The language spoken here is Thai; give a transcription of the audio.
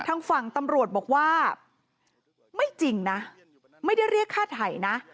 ทางฝั่งตำรวจบอกว่าไม่จริงนะไม่ได้เรียกค่าไถ่นะ